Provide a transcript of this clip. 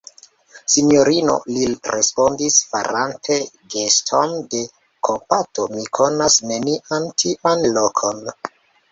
Sinjorino, li respondis, farante geston de kompato, mi konas nenian tian lokon.